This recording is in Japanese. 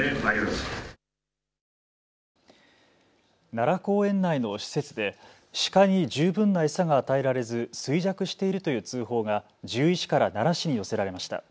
奈良公園内の施設でシカに十分な餌が与えられず衰弱しているという通報が獣医師から奈良市に寄せられました。